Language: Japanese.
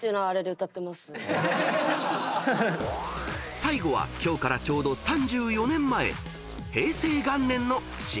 ［最後は今日からちょうど３４年前］